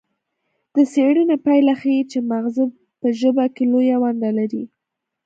د څیړنې پایله ښيي چې مغزه په ژبه کې لویه ونډه لري